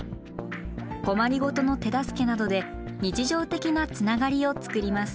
困り事の手助けなどで日常的なつながりを作ります。